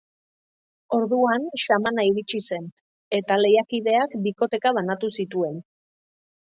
Orduan, xamana iritsi zen, eta lehiakideak bikoteka banatu zituen.